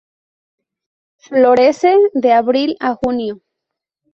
Florece de abril a junio.